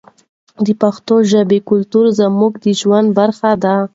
د پښتو ژبې کلتور زموږ د ژوند برخه ده.